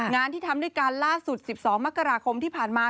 งานที่ทำด้วยกันล่าสุด๑๒มกราคมที่ผ่านมา